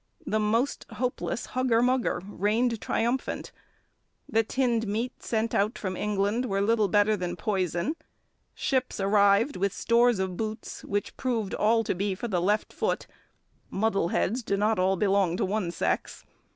The most hopeless hugger mugger reigned triumphant. The tinned meats sent out from England were little better than poison; ships arrived with stores of boots which proved all to be for the left foot. (Muddleheads do not all belong to one sex.)